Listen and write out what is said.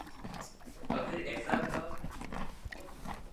اگر ایسا تھا۔